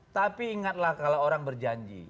tapi ingatlah kalau orang berjanji